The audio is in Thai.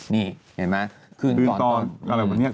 นี่เห็นไหม